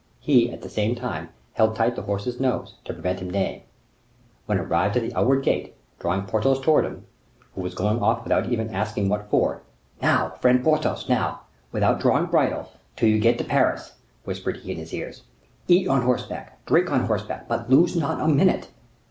He, at the same time, held tight the horse's nose, to prevent him neighing. When arrived at the outward gate, drawing Porthos towards him, who was going off without even asking him what for: "Now, friend Porthos, now; without drawing bridle, till you get to Paris," whispered he in his ears; "eat on horseback, drink on horseback, but lose not a minute."